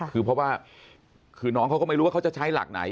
คือเพราะว่าคือน้องเขาก็ไม่รู้ว่าเขาจะใช้หลักไหน